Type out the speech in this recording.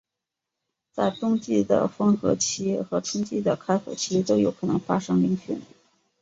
在冬季的封河期和春季的开河期都有可能发生凌汛。